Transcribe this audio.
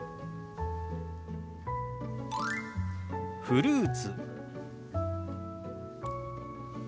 「フルーツ」。